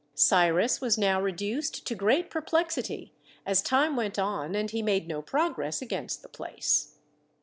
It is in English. Cyrus was now reduced to great perplexity, as time went on and he made no progress against the place.